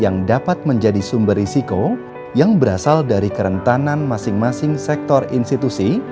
yang dapat menjadi sumber risiko yang berasal dari kerentanan masing masing sektor institusi